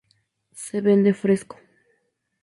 Se vende fresco.